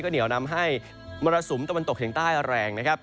เหนียวนำให้มรสุมตะวันตกเฉียงใต้แรงนะครับ